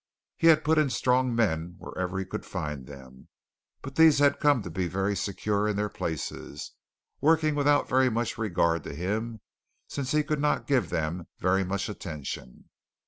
He had put in strong men wherever he could find them, but these had come to be very secure in their places, working without very much regard to him since he could not give them very much attention.